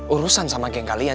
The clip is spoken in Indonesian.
urusan sama geng kalian